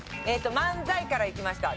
漫才からいきました。